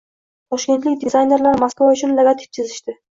Toshkentlik dizaynerlar Moskva uchun logotip chizishdi